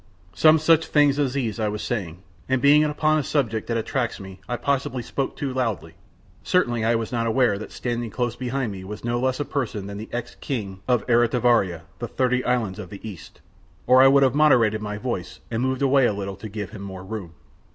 Some such things as these I was saying, and being upon a subject that much attracts me I possibly spoke too loudly, certainly I was not aware that standing close behind me was no less a person than the ex King of Eritivaria, the thirty islands of the East, or I would have moderated my voice and moved away a little to give him more room.